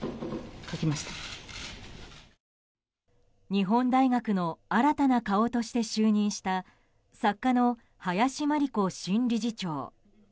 日本大学の新たな顔として就任した作家の林真理子新理事長。